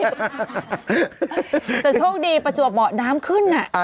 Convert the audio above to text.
แต่โชคดีประจวบเหมาะน้ำขึ้น